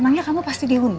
emangnya kamu pasti diundang